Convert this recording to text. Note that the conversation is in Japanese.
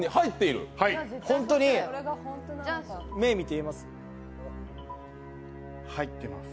本当に目、見て言えます？